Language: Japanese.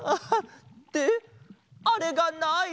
ってあれがない？